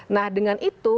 nah dengan itu